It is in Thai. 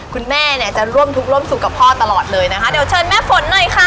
คุณแม่เนี่ยจะร่วมทุกข์ร่วมสุขกับพ่อตลอดเลยนะคะเดี๋ยวเชิญแม่ฝนหน่อยค่ะ